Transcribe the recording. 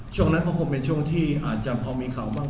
ช่วงนั้นก็คงเป็นช่วงที่อาจจะพอมีข่าวบ้าง